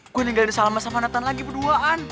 gue ninggalin sama nathan lagi berduaan